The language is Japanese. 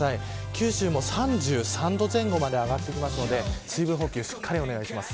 九州も３３度前後まで上がってくるので水分補給をしっかりお願いします。